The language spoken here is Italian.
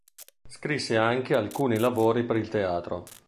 Scrisse anche alcuni lavori per il teatro.